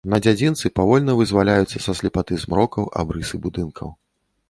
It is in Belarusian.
На дзядзінцы павольна вызваляюцца са слепаты змрокаў абрысы будынкаў.